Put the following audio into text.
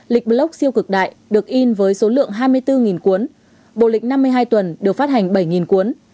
lịch block siêu cực đại được in với số lượng hai mươi bốn cuốn bồ lịch năm mươi hai tuần được phát hành bảy cuốn